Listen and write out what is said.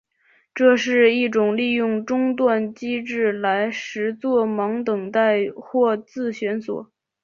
这是一种利用中断机制来实作忙等待或自旋锁。